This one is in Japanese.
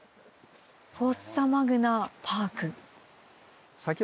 「フォッサマグナパーク」。